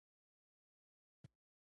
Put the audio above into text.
احمد یو مهربانه او خواخوږی ملګری